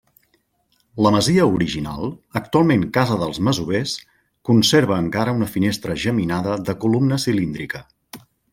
La masia original, actualment casa dels masovers, conserva encara una finestra geminada de columna cilíndrica.